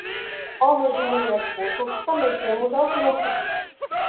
Homens e mulheres cultos também temos aos montes